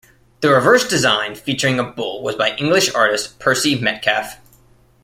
The reverse design featuring a bull was by English artist Percy Metcalfe.